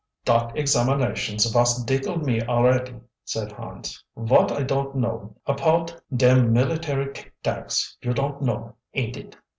"Dot examinations vos dickle me alretty," said Hans. "Vot I don't know apoud dem military tictacs you don't know, ain't it.